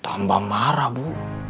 tambah marah bu